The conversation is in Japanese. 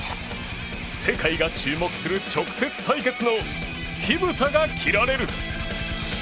世界が注目する直接対決の火ぶたが切られる。